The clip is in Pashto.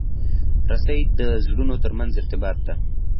رسۍ د زړونو ترمنځ ارتباط ده.